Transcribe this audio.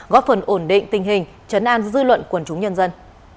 góp phần ổn định tình hình chấn an dư luận quần chúng nhân dân